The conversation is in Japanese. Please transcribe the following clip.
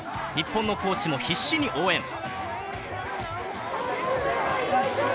日本のコーチも必死に応援。